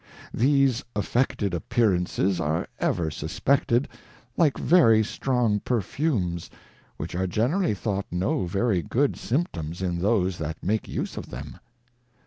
These affected Appearances are ever suspected, like very strong Perfumes, which are generally thought no very good Symptoms in those that make use of them.